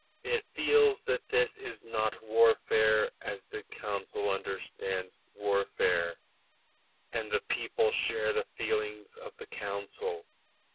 It feels that this is not warfare as the Council understands warfare, and the people share the feelings of the Council.